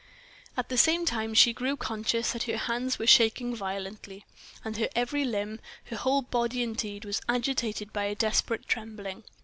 At the same time she grew conscious that her hands were shaking violently, that her every limb, her whole body indeed, was agitated by desperate trembling.